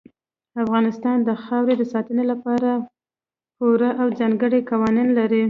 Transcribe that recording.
افغانستان د خاورې د ساتنې لپاره پوره او ځانګړي قوانین لري.